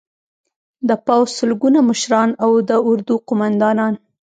د پوځ سلګونه مشران او د اردو قومندانان